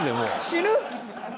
死ぬ！？